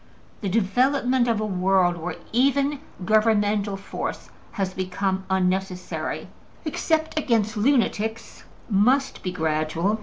The development of a world where even governmental force has become unnecessary (except against lunatics) must be gradual.